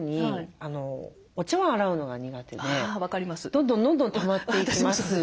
どんどんどんどんたまっていきます。